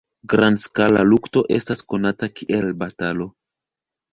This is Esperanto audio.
Grand-skala lukto estas konata kiel batalo.